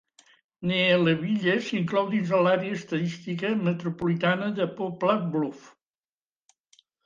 Neelyville s'inclou dins l'àrea estadística metropolitana de Poplar Bluf.